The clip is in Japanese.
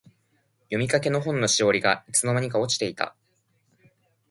読みかけの本のしおりが、いつの間にか落ちていた。